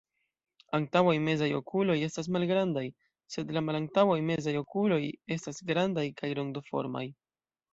Antaŭaj mezaj okuloj estas malgrandaj, sed la malantaŭaj mezaj okuloj estas grandaj kaj rondoformaj.